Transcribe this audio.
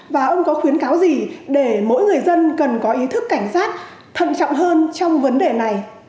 và ông có khuyến cáo gì để mỗi người dân cần có ý thức cảnh giác thận trọng hơn trong vấn đề này